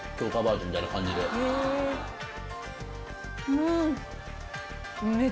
うん！